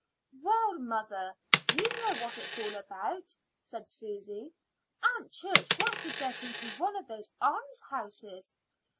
"Well, mother, you know what it is all about," said Susy. "Aunt Church wants to get into one of those almshouses."